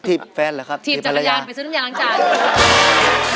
เทียบแฟนเหรอครับเทียบภรรยาเทียบจากภรรยาไปซื้อทุกอย่างล้างจาน